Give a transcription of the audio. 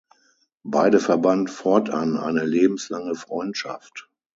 Beide verband fortan eine lebenslange Freundschaft.